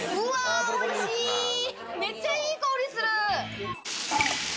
めっちゃいい香りする！